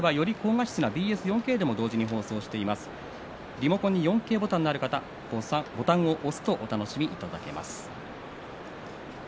リモコンに４Ｋボタンがある方ボタンを押すとお楽しみいただけます。